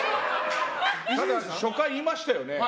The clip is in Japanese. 初回言いましたよね。